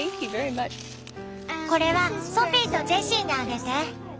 これはソフィーとジェシーにあげて。